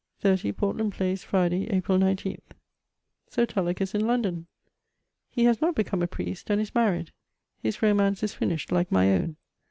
"80, Portland Place, Friday, April 12th/* So, Tulloch is in London. He has not become a priest, and is married; his romance is finished like my own.